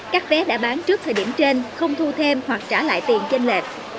các vé đã bán trước thời điểm trên không thu thêm hoặc trả lại tiền trên lệch